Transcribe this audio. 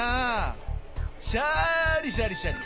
シャリシャリシャリ！